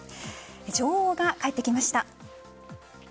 女王が帰ってきました。